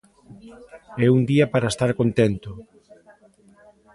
É un día para estar contento.